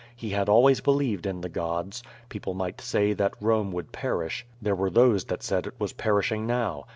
He had always believed in the gods. People might say that Bome would perish; there were those that said it was perishing now.